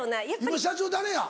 今社長誰や？